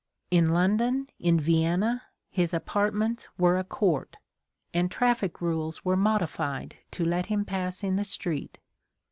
In London, in Vienna, his apartments were a court, and traffic rules were modified to let him pass in the street.